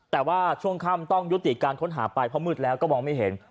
แต่ว่าช่วงค่ำต้องยุติการค้นหาไปเพราะมืดแล้วก็มองไม่เห็น